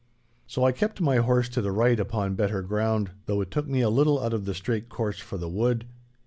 So I kept my horse to the right upon better ground, though it took me a little out of the straight course for the wood.